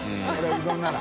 うどんなら。